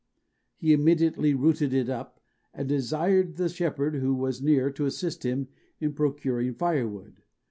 He immediately rooted it up, and desired the shepherd who was near to assist him in procuring firewood.